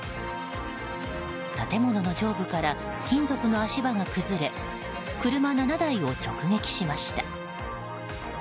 建物の上部から金属の足場が崩れ車７台を直撃しました。